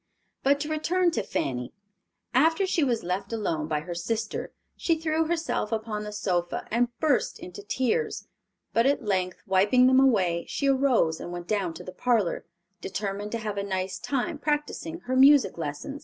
But to return to Fanny. After she was left alone by her sister, she threw herself upon the sofa, and burst into tears; but at length, wiping them away, she arose and went down to the parlor, determined to have a nice time practicing her music lesson.